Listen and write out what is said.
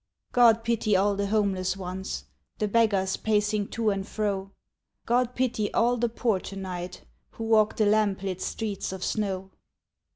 God pity all the homeless ones, The beggars pacing to and fro, God pity all the poor to night Who walk the lamp lit streets of snow.